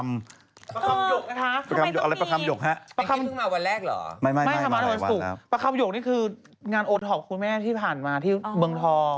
ประคัมหยกไหมครับอะไรประคัมหยกฮะไม่คิดพึ่งมาวันแรกเหรอไม่มาวันศุกร์ประคัมหยกนี่คืองานโอทอปคุณแม่ที่ผ่านมาที่เบื้องทอง